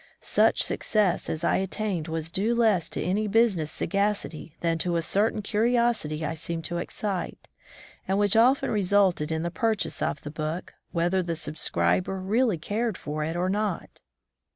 Such success as I attained was due less to any business sagac ity than to a certain curiosity I seemed to excite, and which often resulted in the pur chase of the book, whether the subscriber really cared for it or not.